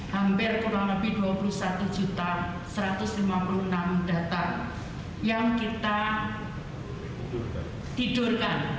hampir kurang lebih dua puluh satu satu ratus lima puluh enam data yang kita tidurkan